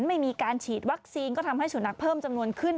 ไม่มีการฉีดวัคซีนก็ทำให้สุนัขเพิ่มจำนวนขึ้น